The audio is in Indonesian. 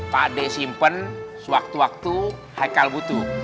pak ade simpen sewaktu waktu haikal butuh